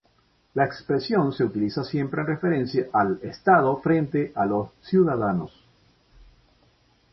La expresión se utiliza siempre en referencia al Estado frente a los ciudadanos.